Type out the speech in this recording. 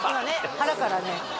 腹からね